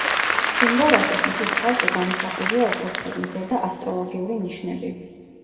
ჩიმბორასოს მთის თავზე გამოსახულია ოქროსფერი მზე და ასტროლოგიური ნიშნები.